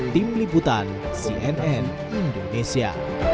tim liputan cnn indonesia